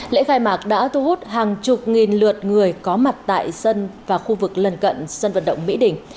lễ khai mạc đã thu hút hàng chục nghìn lượt người có mặt tại sân và khu vực lần cận sân vận động mỹ đình